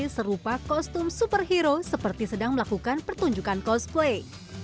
serupa kostum superhero seperti sedang melakukan pertunjukan cosplay